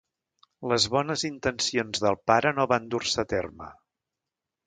Les bones intencions del pare no van dur-se a terme.